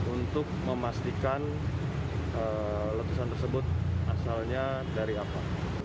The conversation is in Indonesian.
untuk memastikan letusan tersebut asalnya dari apa